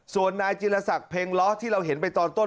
ส่วนนายจิลศักดิ์เพ็งล้อที่เราเห็นไปตอนต้น